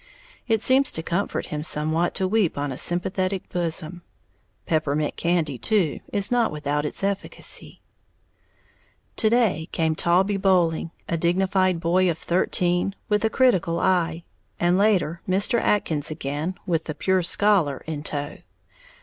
It seems to comfort him somewhat to weep on a sympathetic bosom. Peppermint candy, too, is not without its efficacy. To day came Taulbee Bolling, a dignified boy of thirteen, with a critical eye, and later, Mr. Atkins again, with the "pure scholar" in tow.